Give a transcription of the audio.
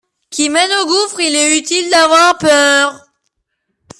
Qui mène au gouffre ; il est utile d'avoir peur.